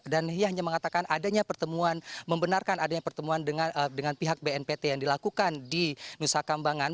dan dia hanya mengatakan adanya pertemuan membenarkan adanya pertemuan dengan pihak bnpt yang dilakukan di nusa kambangan